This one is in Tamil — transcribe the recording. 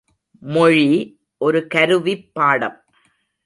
மொழி ஒரு கருவிப் பாடம்.